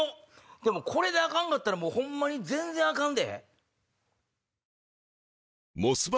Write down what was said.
でもこれでアカンかったらホンマに全然アカンで。